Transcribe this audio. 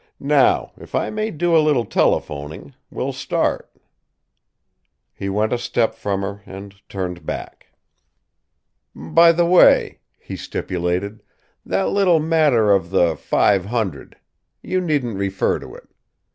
Now, if I may do a little telephoning, we'll start." He went a step from her and turned back. "By the way," he stipulated, "that little matter of the five hundred you needn't refer to it.